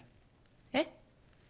えっ？